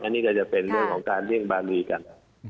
อันนี้ก็จะเป็นเรื่องของการเลี่ยงบารีกัน